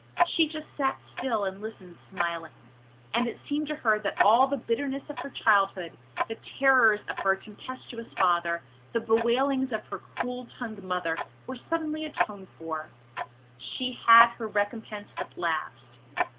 She just sat still and listened, smiling. And it seemed to her that all the bitterness of her childhood, the terrors of her tempestuous father, the bewailings of her cruel tongued mother were suddenly atoned for. She had her recompense at last.